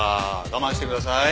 我慢してください。